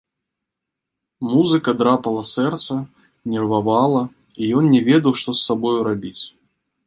Музыка драпала сэрца, нервавала, і ён не ведаў, што з сабою зрабіць.